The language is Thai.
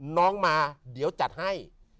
น้องมาเดี๋ยวจัดให้